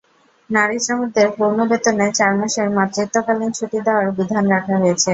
নারী শ্রমিকদের পূর্ণ বেতনে চার মাসের মাতৃত্বকালীন ছুটি দেওয়ার বিধান রাখা হয়েছে।